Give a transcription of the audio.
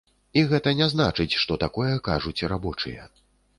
І гэта не значыць, што такое кажуць рабочыя.